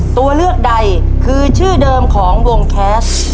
ตัวเลือกใดคือชื่อเดิมของวงแคส